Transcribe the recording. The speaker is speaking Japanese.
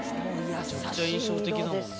めちゃくちゃ印象的だもんな。